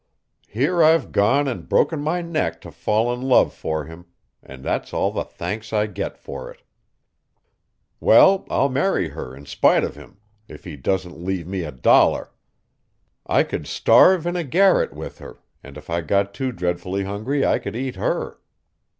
"Here I've gone and broken my neck to fall in love for him and that's all the thanks I get for it. Well, I'll marry her in spite of him, if he doesn't leave me a dollar. I could starve in a garret with her, and if I got too dreadfully hungry I could eat her.